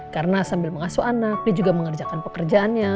karena sambil mengasuh anak dia juga mengerjakan pekerjaannya